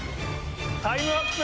タイムアップ。